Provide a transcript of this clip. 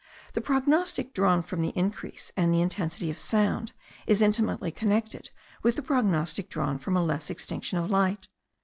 The prognostic drawn from the increase and the intensity of sound is intimately connected with the prognostic drawn from a less extinction of light.